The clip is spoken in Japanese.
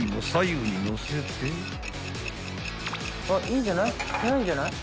いいんじゃない？